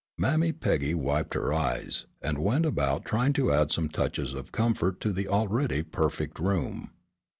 Mammy Peggy wiped her eyes, and went about trying to add some touches of comfort to the already perfect room.